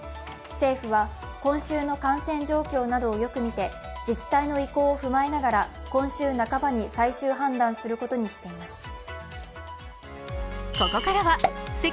政府は今週の感染状況などをよく見て自治体の意向を踏まえながら、今週半ばに最終判断することにしています。